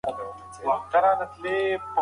که فرش پاک کړو نو ګرد نه کښیني.